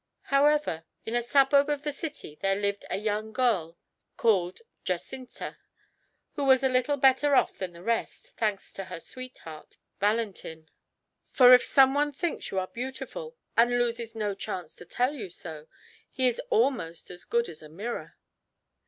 However, in a suburb of the city there lived a young girl called Jacinta, who was a little better off than the rest, thanks to her sweetheart, Valentin. For if someone thinks you are beautiful, and loses no chance to tell you so, he is almost as good as a mirror.